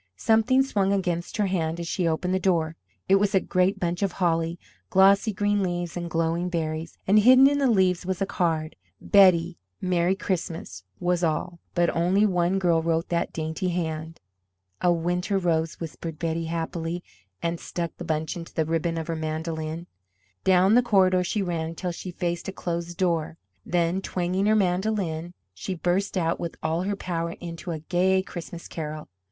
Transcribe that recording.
Something swung against her hand as she opened the door. It was a great bunch of holly, glossy green leaves and glowing berries, and hidden in the leaves a card: "Betty, Merry Christmas," was all, but only one girl wrote that dainty hand. "A winter rose," whispered Betty, happily, and stuck the bunch into the ribbon of her mandolin. Down the corridor she ran until she faced a closed door. Then, twanging her mandolin, she burst out with all her power into a gay Christmas carol.